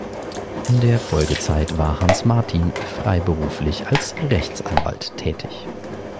In der Folgezeit war Hans Martin freiberuflich als Rechtsanwalt tätig.